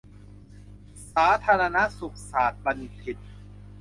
สาธารณสุขศาสตรบัณฑิต